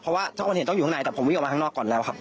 เพราะว่าทุกคนเห็นต้องอยู่ข้างในแต่ผมวิ่งออกมาข้างนอกก่อนแล้วครับ